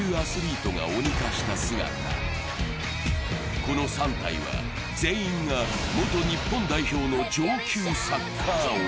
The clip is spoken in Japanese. この３体は、全員が元日本代表の上級鬼。